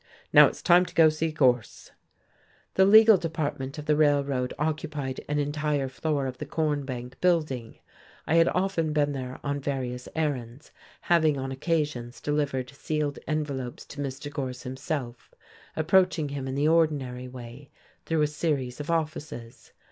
"Now it's time to go to see Gorse." The legal department of the Railroad occupied an entire floor of the Corn Bank building. I had often been there on various errands, having on occasions delivered sealed envelopes to Mr. Gorse himself, approaching him in the ordinary way through a series of offices.